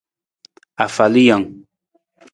Afalijang.